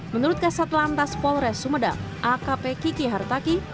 menurut kesatelantas polres sumedang akp kiki hartaki